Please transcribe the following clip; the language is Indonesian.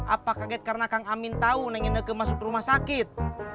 atau kaget karena kang amin tau neng ineke masuk rumah sakit